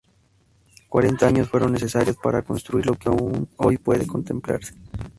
Cuarenta años fueron necesarios para construir lo que aún hoy puede contemplarse.